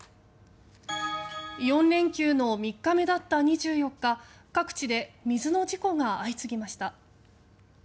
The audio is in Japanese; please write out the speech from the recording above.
４連休の３日目だった２４日各地で水の事故が相次ぎました。